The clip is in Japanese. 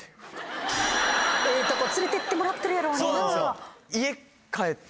ええとこ連れてってもらってるやろうになぁ。